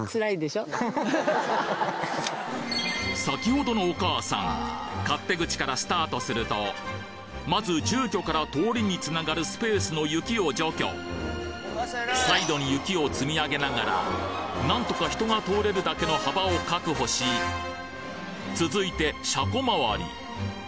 先ほどのお母さん勝手口からスタートするとまず住居から通りにつながるスペースの雪を除去サイドに雪を積み上げながらなんとか人が通れるだけの幅を確保し続いて車庫周り